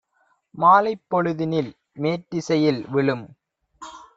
மாலைப் பொழுதினில் மேற்றிசையில் விழும்